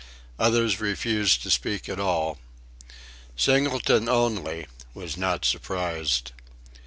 Others refused to speak at all. Singleton only was not surprised.